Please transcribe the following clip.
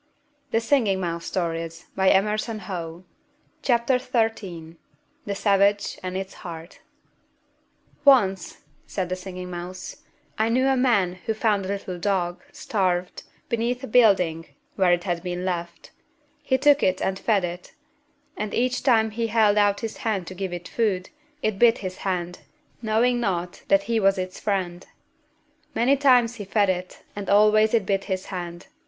[Illustration: The Savage and its Heart] THE SAVAGE AND ITS HEART "Once," said the Singing Mouse, "I knew a man who found a little dog, starved, beneath a building where it had been left. He took it and fed it; and each time he held out his hand to give it food, it bit his hand, knowing not that he was its friend. Many times he fed it, and always it bit his hand.